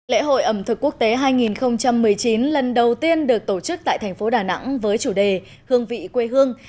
lễ hội ẩm thực quốc tế hai nghìn một mươi chín lần đầu tiên được tổ chức tại thành phố đà nẵng với chủ đề hương vị quê hương